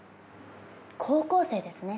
高校生ですね。